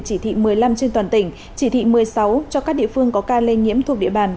chỉ thị một mươi năm trên toàn tỉnh chỉ thị một mươi sáu cho các địa phương có ca lây nhiễm thuộc địa bàn